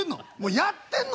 やってんの？